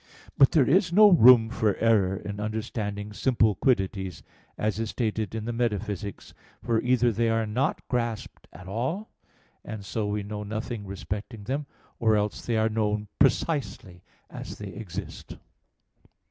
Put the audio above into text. But there is no room for error in understanding simple quiddities, as is stated in Metaph. ix, text. 22; for either they are not grasped at all, and so we know nothing respecting them; or else they are known precisely as they exist.